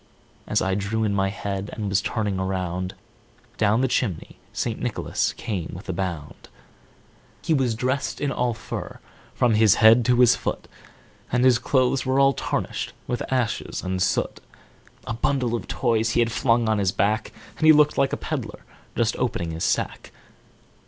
As I drew in my head, and was turning around, Down the chimney St. Nicholas came with a bound. e was dressed all in fur, from his head to his foot, And his clothes were all tarnished with ashes and soot; A bundle of Toys he had flung on his back, And he looked like a peddler just opening his pack.